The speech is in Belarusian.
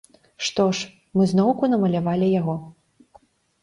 Што ж, мы зноўку намалявалі яго.